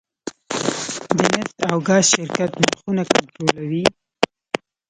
د نفت او ګاز شرکت نرخونه کنټرولوي؟